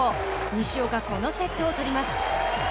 西岡、このセットを取ります。